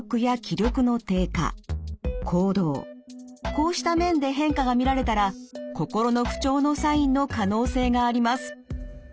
こうした面で変化が見られたら心の不調のサインの可能性があります。